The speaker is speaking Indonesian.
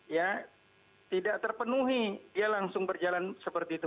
ya tidak terpenuhi dia langsung berjalan seperti itu